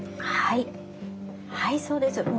はいはいそうです。